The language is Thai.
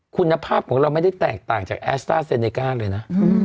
คุณภาพของเราไม่ได้แตกต่างจากแอสต้าเซเนก้าเลยนะ